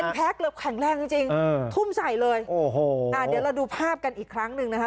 แพ็คแบบแข็งแรงจริงจริงทุ่มใส่เลยโอ้โหอ่าเดี๋ยวเราดูภาพกันอีกครั้งหนึ่งนะคะ